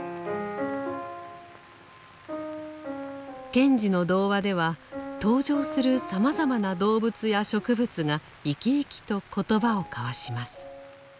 賢治の童話では登場するさまざまな動物や植物が生き生きと言葉を交わします。